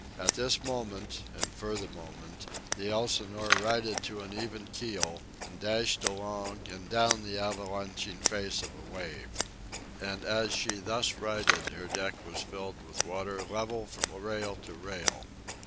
At this moment, and for the moment, the Elsinore righted to an even keel, and dashed along and down the avalanching face of a wave. And as she thus righted her deck was filled with water level from rail to rail.